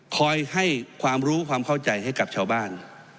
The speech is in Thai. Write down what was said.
คอยให้ความรู้ความเข้าใจให้กับชาวบ้าน